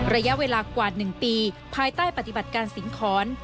ระยะเวลากว่า๑ปีภายใต้ปฏิบัติการสิงหอน